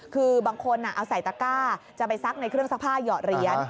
คือบางคนเอาใส่ตะก้าจะไปซักในเครื่องซักผ้าหยอดเหรียญ